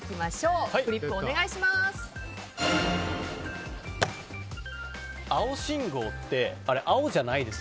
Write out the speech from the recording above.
フリップをお願いします。